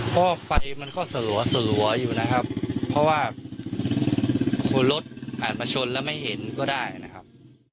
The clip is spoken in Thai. เพราะว่าไฟมันก็สลัวอยู่นะครับเพราะว่ารถอาจมาชนแล้วไม่เห็นก็ได้นะครับ